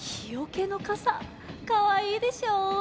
かわいいでしょ？